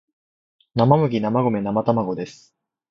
生麦生米生卵です